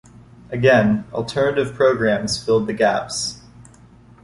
Again, alternative programmes filled the gaps.